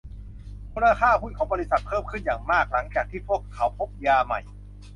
มูลค่าหุ้นของ บริษัท เพิ่มขึ้นอย่างมากหลังจากที่พวกเขาพบยาใหม่